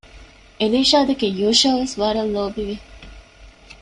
އެލީޝާދެކެ ޔޫޝައުވެސް ވަރަށް ލޯބިވި